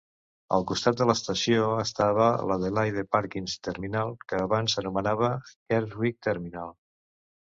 Al costat de l'estació estava l'Adelaide Parklands Terminal, que abans s'anomenava Keswick Terminal.